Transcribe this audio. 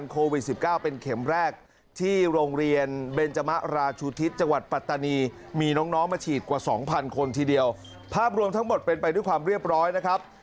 ๒๐๐๐คนทีเดียวภาพรวมทั้งหมดเป็นไปด้วยความเรียบร้อยนะครับ